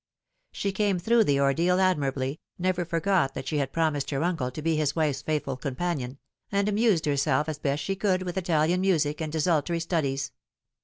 She came through the ordeal admirably, never forgot that she had promised her uncle to be his wife's faithful companion, and amused herself as best she could with Italian music and desultory studies.